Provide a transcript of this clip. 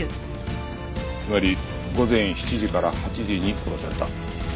つまり午前７時から８時に殺された。